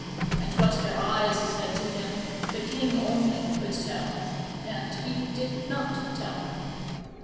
And what their eyes said to him, the king only could tell. And he did not tell.